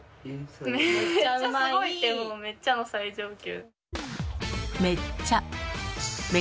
めっちゃの最上級。